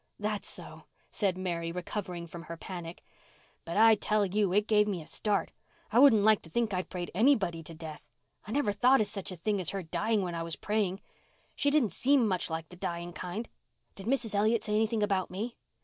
"That's so," said Mary recovering from her panic. "But I tell you it gave me a start. I wouldn't like to think I'd prayed anybody to death. I never thought of such a thing as her dying when I was praying. She didn't seem much like the dying kind. Did Mrs. Elliott say anything about me?"